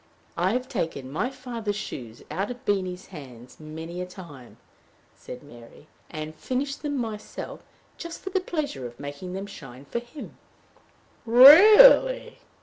"I've taken my father's shoes out of Beenie's hands many a time," said Mary, "and finished them myself, just for the pleasure of making them shine for him." "Re a ally!"